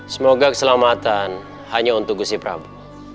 semoga keselamatan hanya untuk gusti prabu